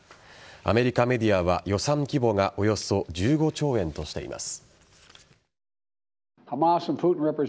アメリカメディアは予算規模がおよそ１５兆円としています。